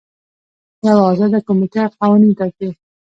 یوه ازاده کمیټه قوانین ټاکي.